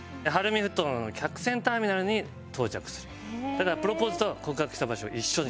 だからプロポーズと告白した場所を一緒にする。